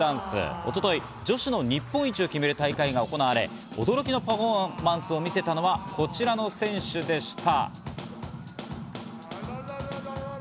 一昨日、女子の日本一を決める大会が行われ、驚きのパフォーマンスを見せたのがこちらの選手でした。